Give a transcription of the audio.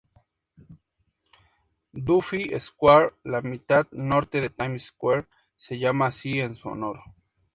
Duffy Square, la mitad norte de Times Square, se llama así en su honor.